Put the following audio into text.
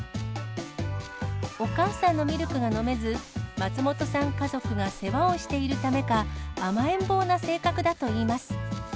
お母さんのミルクが飲めず、松本さん家族が世話をしているためか、甘えん坊な性格だといいます。